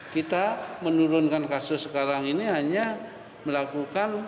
kita menurunkan kasus sekarang ini hanya melakukan